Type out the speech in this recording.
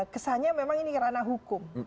kesannya memang ini ranah hukum